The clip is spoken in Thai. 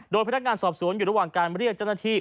โดยพนักงานสอบสวนอยู่ระหว่างการเรียกเจ้าหน้าที่